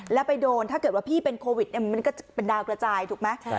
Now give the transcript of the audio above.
แล้วไปโดนถ้าเกิดว่าพี่เป็นโควิดมันก็จะเป็นดาวกระจายถูกไหม